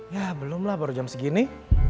ya belum lah baru jam segini